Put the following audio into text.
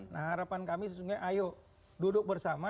nah harapan kami sebetulnya ayo duduk bersama ya